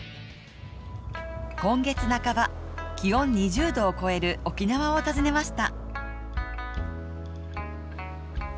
今月半ば、気温２０度を超える沖縄を訪ねました。